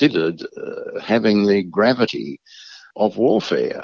dan memiliki kegerasan perang